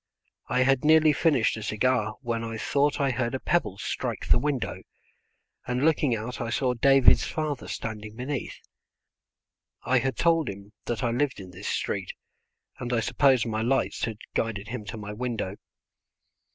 I had nearly finished a cigar when I thought I heard a pebble strike the window, and looking out I saw David's father standing beneath. I had told him that I lived in this street, and I suppose my lights had guided him to my window.